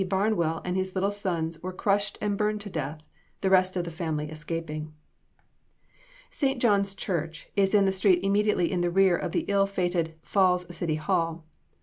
Barnwell and his little son were crushed and burned to death, the rest of the family escaping. "St. John's Church is in the street immediately in the rear of the ill fated Falls City Hall.